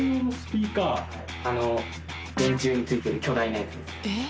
電柱についてる巨大なやつです。